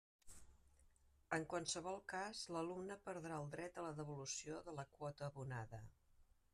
En qualsevol cas l'alumne perdrà el dret a la devolució de la quota abonada.